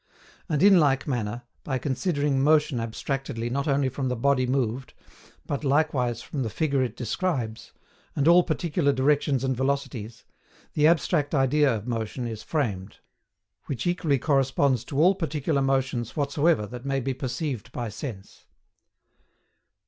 And, in like manner, by considering motion abstractedly not only from the body moved, but likewise from the figure it describes, and all particular directions and velocities, the abstract idea of motion is framed; which equally corresponds to all particular motions whatsoever that may be perceived by sense.